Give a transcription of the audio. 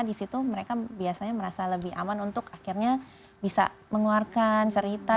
di situ mereka biasanya merasa lebih aman untuk akhirnya bisa mengeluarkan cerita